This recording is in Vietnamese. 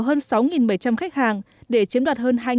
hơn sáu bảy trăm linh khách hàng để chiếm đoạt hơn hai năm trăm linh tỷ đồng